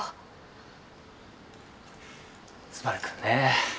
昴くんね。